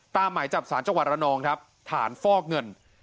ตามหมายจับศาลจักรวรรณองครับฐานฟอกเงิน